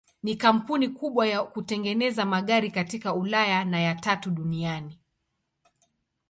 Ni kampuni kubwa ya kutengeneza magari katika Ulaya na ya tatu duniani.